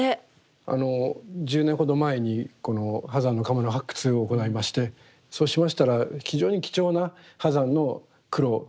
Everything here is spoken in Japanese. あの１０年ほど前にこの波山の窯の発掘を行いましてそうしましたら非常に貴重な波山の苦労